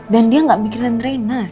dan dia gak mikirin reina